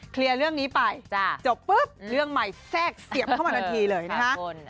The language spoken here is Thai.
เคลียร์เรื่องนี้ไปจบปุ๊บเรื่องใหม่แทรกเสียบเข้ามาทันทีเลยนะฮะ